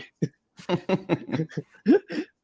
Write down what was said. ฮ่าฮ่าฮ่า